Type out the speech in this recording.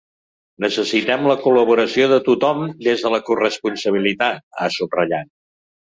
“Necessitem la col·laboració de tothom, des de la corresponsabilitat”, ha subratllat.